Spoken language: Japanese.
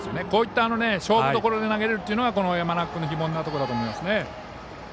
こういった勝負どころで投げられるというのはこの山中君の非凡なところだと思いますね。